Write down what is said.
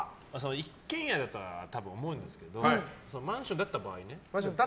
一軒家だとは思うんですけどマンションだった場合ね。